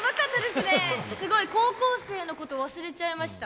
すごい高校生のこと忘れちゃいました。